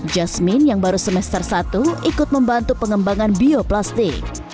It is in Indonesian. jasmine yang baru semester satu ikut membantu pengembangan bioplastik